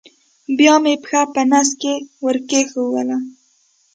بیا مې پښه په نس کې ور کېښوول.